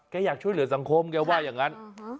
อยากช่วยเหลือสังคมแกว่าอย่างนั้น